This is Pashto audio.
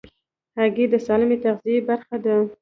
هګۍ د سالمې تغذیې برخه ده.